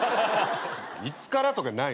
いつからとかない。